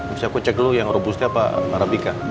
mesti aku cek dulu yang rebusnya apa arabika